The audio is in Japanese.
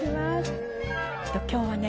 今日はね